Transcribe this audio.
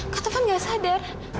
katovan gak sadar